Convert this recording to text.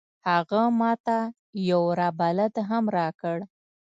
هغه ما ته یو راه بلد هم راکړ.